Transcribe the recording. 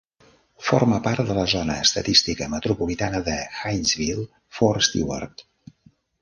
Forma part de la zona estadística metropolitana de Hinesville-Fort Stewart.